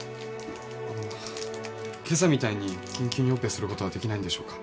あの今朝みたいに緊急にオペすることはできないのですか